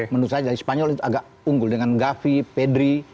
menurut saya dari spanyol itu agak unggul dengan gavi pedri